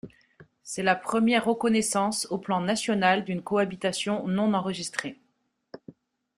C'est la première reconnaissance au plan national d'une cohabitation non enregistrée.